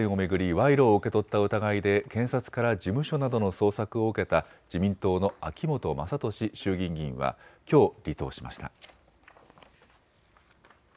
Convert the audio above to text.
賄賂を受け取った疑いで検察から事務所などの捜索を受けた自民党の秋本真利衆議院議員はきょう離党しました。